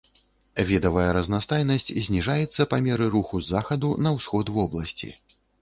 Відавая разнастайнасць зніжаецца па меры руху з захаду на ўсход вобласці.